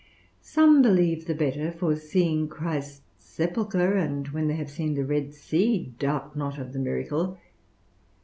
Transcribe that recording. Some believe the better for seeing Christ's sepulchre; and when they have seen the Red Sea, doubt not of the miracle.